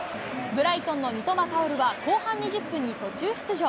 ブライトンの三笘薫は、後半２０分に途中出場。